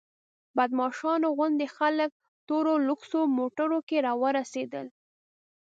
بدماشانو غوندې خلک تورو لوکسو موټرو کې راورسېدل.